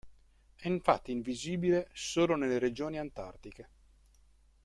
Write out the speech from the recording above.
È infatti invisibile solo nelle regioni antartiche.